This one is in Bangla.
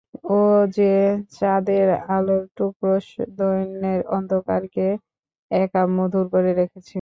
ও যে চাঁদের আলোর টুকরো, দৈন্যের অন্ধকারকে একা মধুর করে রেখেছে।